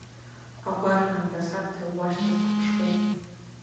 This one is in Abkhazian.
Агәараанда садгыл уашҭа сҭаԥшуеит…